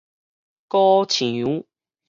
鼓牆